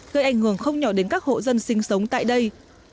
gây ảnh hưởng không nhỏ đến các hộ dân sinh sống tại đây